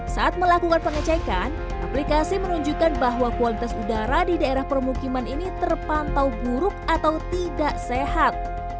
saat melakukan pengecekan aplikasi menunjukkan bahwa kualitas udara di daerah permukiman ini terpantau buruk atau tidak sehat